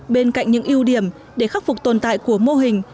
bên cạnh những ưu điểm để khắc phục tồn tại của mô hình